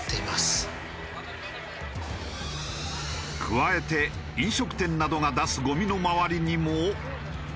加えて飲食店などが出すごみの周りにも。